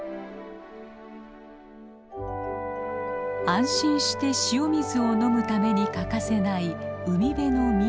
安心して塩水を飲むために欠かせない海辺の緑。